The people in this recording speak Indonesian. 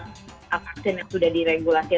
vaksin yang sudah diregulasi